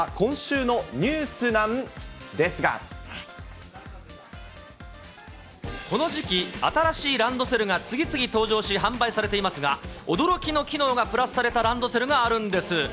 では、この時期、新しいランドセルが次々登場し、販売されていますが、驚きの機能がプラスされたランドセルがあるんです。